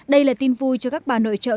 đây là tin vui cho các bà nội trợ